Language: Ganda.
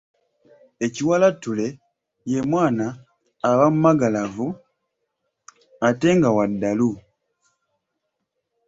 Ekiwalattule ye mwana aba mumagalavu ate nga wa ddalu.